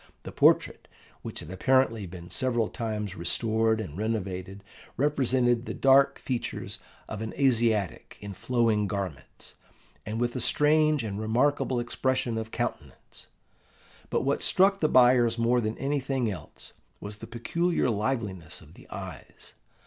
The portrait, which had apparently been several times restored and renovated, represented the dark features of an Asiatic in flowing garments, and with a strange and remarkable expression of countenance; but what struck the buyers more than anything else was the peculiar liveliness of the eyes.